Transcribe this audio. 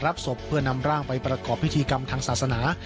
ศพเพื่อนำร่างไปประกอบพิธีกรรมทางศาสนา